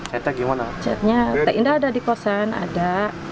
cetaknya tidak ada di kosan ada